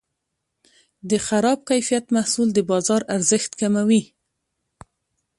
د خراب کیفیت محصول د بازار ارزښت کموي.